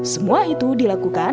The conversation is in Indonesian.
semua itu dilakukan